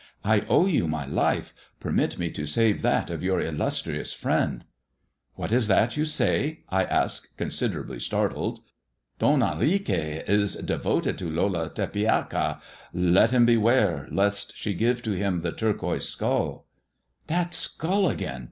I owe ; my life : permit me to save that of your illustrious f lien " What is that you say ]" I asked, considerably start] " Don Honriquez is devoted to Lola Tepeaca. Let ] beware, lest she give to him the turquoise skulL" " That skull again